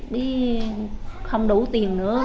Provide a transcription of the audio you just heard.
đi không đủ tiền nữa